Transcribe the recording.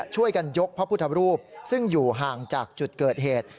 ช่วยกันยกพระพุทธรูปซึ่งอยู่ห่างจากจุดเกิดเหตุ